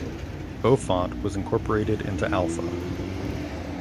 Beaufort was incorporated into Alpha.